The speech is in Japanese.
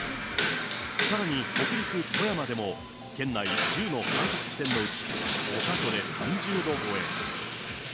さらに北陸・富山でも、県内１０の観測地点のうち、５か所で３０度超え。